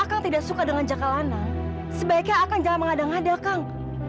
kalau aku tidak suka dengan jakalanang sebaiknya akang jangan mengadang adang kang